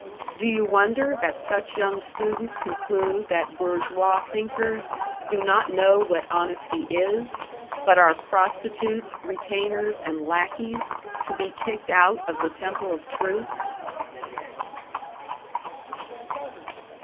Do you wonder that such young students conclude that #bourgeois# thinkers do not know what honesty is, but are prostitutes, retainers and lackeys, to be kicked out of the temple of truth?